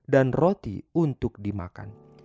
dan roti untuk penabur